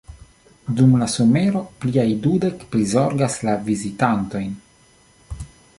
Dum la somero pliaj dudek prizorgas la vizitantojn.